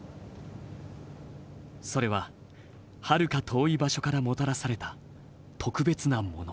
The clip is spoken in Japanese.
それははるか遠い場所からもたらされた特別なもの。